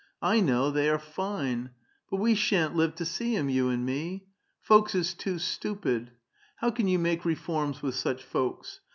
I know ; they are fine. But we sha'n't live to see 'em, you and me. Folks is too stupid ; how can you make reforms with such folks?